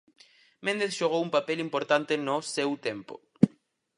Méndez xogou un papel importante no seu tempo.